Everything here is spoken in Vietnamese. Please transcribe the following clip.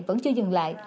vẫn chưa dừng lại